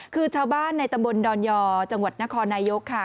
คือชาวบ้านในตำบลดอนยอจังหวัดนครนายกค่ะ